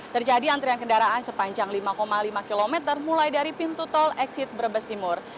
terjadi antrian kendaraan sepanjang lima lima km mulai dari pintu tol exit brebes timur